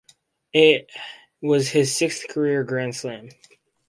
It was his sixth career grand slam.